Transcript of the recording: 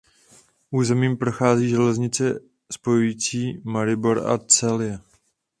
Územím prochází železnice spojující Maribor a Celje.